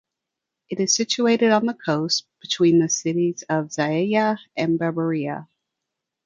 It is situated on the coast between the cites of Zeila and Berbera.